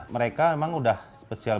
mereka memang sudah spesial